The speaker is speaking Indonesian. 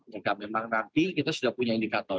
jika memang nanti kita sudah punya indikator